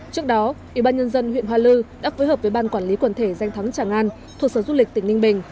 trước đó ủy ban nhân dân huyện hoa lư đã phối hợp với ban quản lý quần thể danh thắng tràng an thuộc sở du lịch tỉnh ninh bình